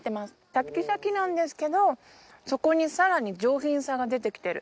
シャッキシャキなんですけどそこにさらに上品さが出てきてる。